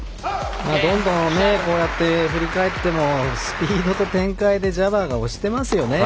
こうやって振り返ってもスピードと展開でジャバーが押してますよね。